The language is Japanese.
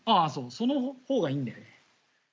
そのほうがいいんだよね。